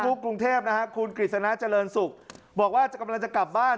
กรุงเทพนะฮะคุณกฤษณะเจริญศุกร์บอกว่าจะกำลังจะกลับบ้าน